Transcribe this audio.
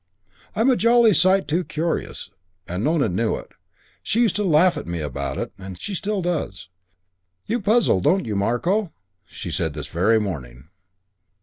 I'm a jolly sight too serious. And Nona knew it. She used to laugh at me about it. She still does. 'You puzzle, don't you, Marko?' she said this very morning."